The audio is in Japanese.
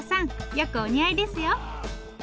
よくお似合いですよ。